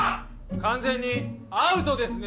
完全にアウトですね！